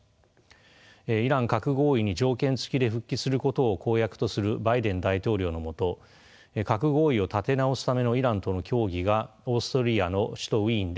イラン核合意に条件付きで復帰することを公約とするバイデン大統領の下核合意を立て直すためのイランとの協議がオーストリアの首都ウィーンで進められています。